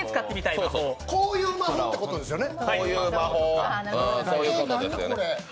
こういう魔法ってことですよね？